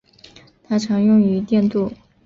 它常用于电镀。